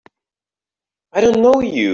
I don't know you!